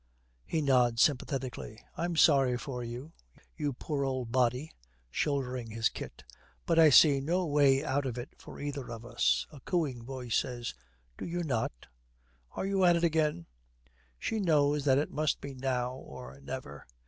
He nods sympathetically. 'I'm sorry for you, you poor old body,' shouldering his kit. 'But I see no way out for either of us.' A cooing voice says, 'Do you not?' 'Are you at it again!' She knows that it must be now or never.